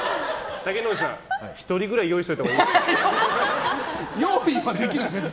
竹野内さん、１人ぐらい用意しておいた方がいいですよ。